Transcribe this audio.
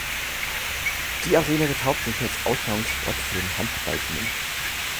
Die Arena wird hauptsächlich als Austragungsort für den Handball dienen.